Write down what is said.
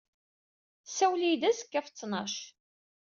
Sawel-iyi-d azekka ɣef ttnac